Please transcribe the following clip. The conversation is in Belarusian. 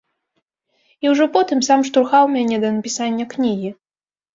І ўжо потым сам штурхаў мяне да напісання кнігі.